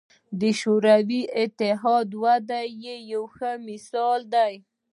د شوروي اتحاد وده یې یو ښه مثال دی.